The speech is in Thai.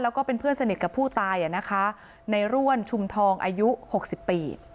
แล้วก็เป็นเพื่อนสนิทกับผู้ตายอ่ะนะคะในร่วนชุมทองอายุหกสิบปี